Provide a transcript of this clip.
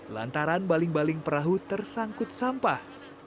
lantaran baling baling perahu tersangkut sampah